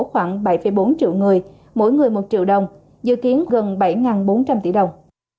khoảng bảy bốn triệu người mỗi người một triệu đồng dự kiến gần bảy bốn trăm linh tỷ đồng